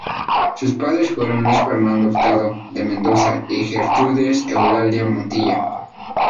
Sus padres fueron Luis Bernardo Hurtado de Mendoza y Gertrudis Eulalia Montilla.